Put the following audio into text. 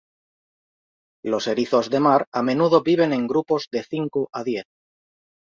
Los erizos de mar a menudo viven en grupos de cinco a diez.